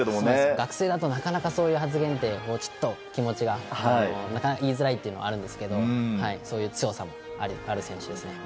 学生だとなかなかそういう発言って強い気持ちがないとなかなか言いづらいというのがあるんですがそういう強さもある選手ですね。